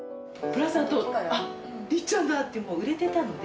あっりっちゃんだ！！ってもう売れてたので。